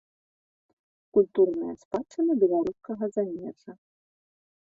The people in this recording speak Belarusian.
Культурная спадчына беларускага замежжа.